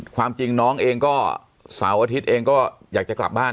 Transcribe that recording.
ความจริงน้องเองก็เสาร์อาทิตย์เองก็อยากจะกลับบ้าน